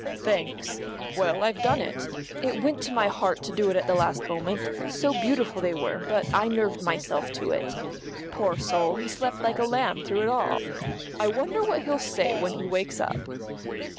"Thanks. Well, I've done it. It went to my heart to do it at the last moment, so beautiful they were, but I nerved myself to it. Poor soul, he slept like a lamb through it all. I wonder what he'll say when he wakes up."